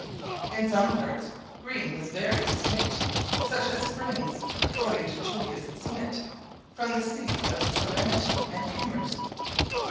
In some parts green was very distinct, such as springs, according to Julius Schmidt, from the seas of "Serenity and Humors."